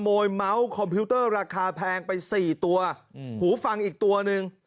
ยเมาส์คอมพิวเตอร์ราคาแพงไปสี่ตัวอืมหูฟังอีกตัวหนึ่ง